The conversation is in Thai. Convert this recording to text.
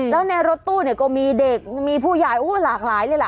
แล้วในรถตู้เนี่ยก็มีเด็กมีผู้ใหญ่หลากหลายเลยแหละ